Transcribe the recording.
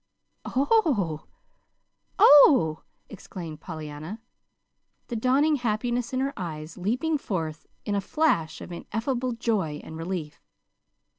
"Oh h h! Oh!" exclaimed Pollyanna, the dawning happiness in her eyes leaping forth in a flash of ineffable joy and relief.